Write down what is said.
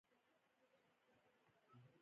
زما خونه کوچنۍ ده